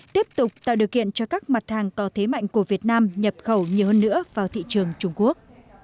tiếp tục tạo điều kiện cho các mặt hàng có thế mạnh của việt nam nhập khẩu nhiều hơn nữa vào thị trường trung quốc